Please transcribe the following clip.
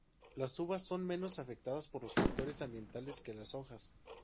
Las uvas son menos afectadas por los factores ambientales que las hojas.